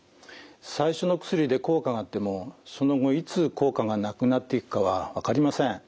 最初の薬で効果があってもその後いつ効果がなくなっていくかは分かりません。